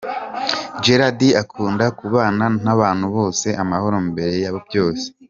Gerard akunda kubana n’abantu bose amahoro mbere ya byose.